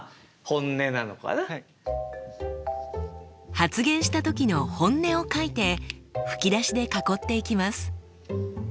発言した時の本音を書いて吹き出しで囲っていきます。